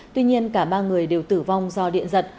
tuy nhiên cả ba người đều tử vong do điện giật